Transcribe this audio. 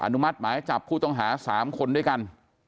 นุมัติหมายจับผู้ต้องหา๓คนด้วยกัน